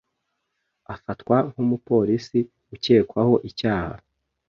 Afatwa nk’umupolisi ukekwaho icyaha.